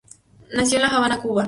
Nació en La Habana, Cuba.